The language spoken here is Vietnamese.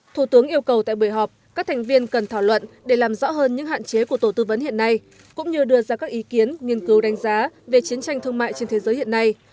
thủ tướng yêu cầu tại buổi họp các thành viên cần thảo luận để làm rõ hơn những hạn chế của tổ tư vấn hiện nay